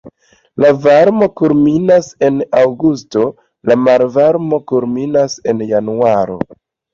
La varmo kulminas en aŭgusto, la malvarmo kulminas en januaro.